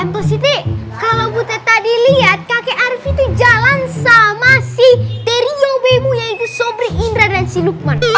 mpc kalau buta tadi lihat kakek arief itu jalan sama sih teriobemu yaitu sobri indra dan si lukman